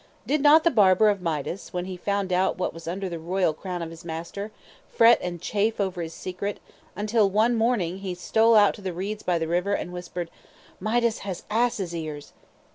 Did not the barber of Midas when he found out what was under the royal crown of his master, fret and chafe over his secret, until one morning he stole to the reeds by the river, and whispered, "Midas, has ass's ears?"